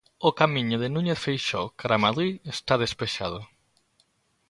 O camiño de Núñez Feixóo cara a Madrid está despexado.